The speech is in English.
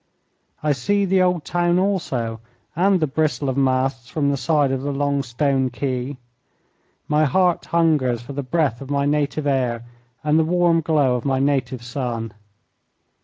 I see the old town also, and the bristle of masts from the side of the long stone quay. My heart hungers for the breath of my native air and the warm glow of my native sun.